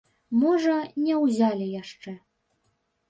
Можа, не ўзялі яшчэ.